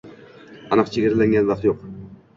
Aniq chegaralangan vaqt yo’q.